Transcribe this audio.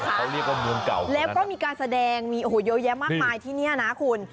เขาเรียกว่าเมืองเก่าแล้วก็มีการแสดงมีโอ้โหเยอะแยะมากมายที่นี่นะคุณ